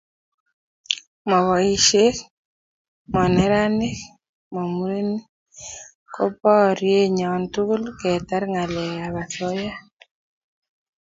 ma boishek, mo neranik, mo murenik ko bariennyo tugul ketar ngalek ab asoya